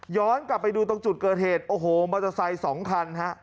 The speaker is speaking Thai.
กลับไปดูตรงจุดเกิดเหตุโอ้โหมอเตอร์ไซค์สองคันฮะ